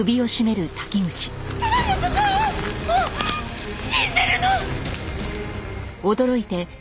寺本さんはもう死んでるの！